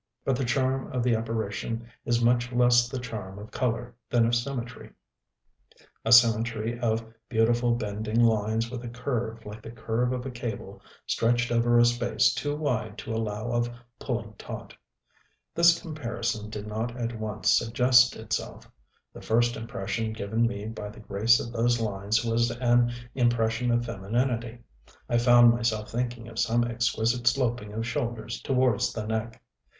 But the charm of the apparition is much less the charm of color than of symmetry, a symmetry of beautiful bending lines with a curve like the curve of a cable stretched over a space too wide to allow of pulling taut. (This comparison did not at once suggest itself: The first impression given me by the grace of those lines was an impression of femininity; I found myself thinking of some exquisite sloping of shoulders towards the neck.)